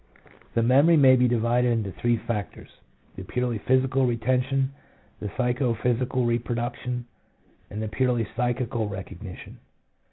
1 The memory may be divided into three factors, the purely physical retention, the psycho physical repro duction, and the purely psychical recognition.